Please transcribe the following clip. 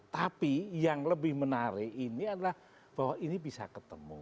tapi yang lebih menarik ini adalah bahwa ini bisa ketemu